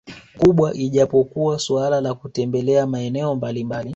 kubwa ijapokuwa suala la kutembelea maeneo mbalimbali